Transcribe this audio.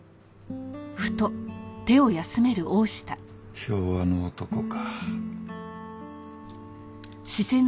昭和の男か。